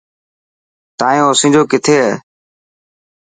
تايون اوسينجو ڪٿي هي.